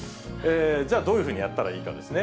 じゃあどういうふうにやったらいいかですね。